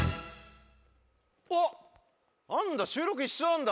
あっなんだ収録一緒なんだ。